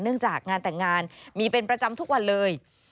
จากงานแต่งงานมีเป็นประจำทุกวันเลย